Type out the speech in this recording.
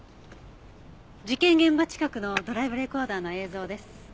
事件現場近くのドライブレコーダーの映像です。